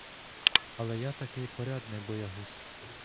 Але я таки порядний боягуз!